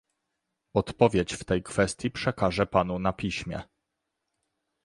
Odpowiedź w tej kwestii przekażę Panu na piśmie